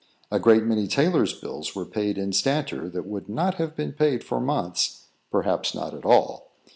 A great many tailors' bills were paid instanter that would not have been paid for months, perhaps not at all.